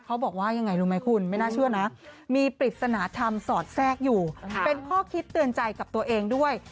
เขาบอกว่ายังไงรู้ไหมคุณไม่น่าเชื่อนะมีปริศนธรรมสอดแทรกอยู่เป็นข้อคิดเตือนใจกับตัวเองด้วย